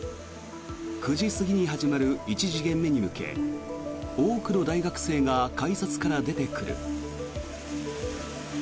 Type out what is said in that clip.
９時過ぎに始まる１時限目に向け多くの大学生が改札から出てくる。